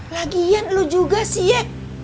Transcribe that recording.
lagian lu juga sih yek